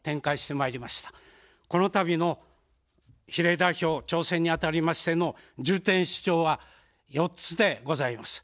この度の比例代表挑戦にあたりましての重点主張は４つでございます。